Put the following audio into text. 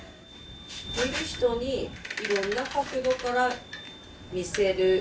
見る人にいろんな角度から見せる。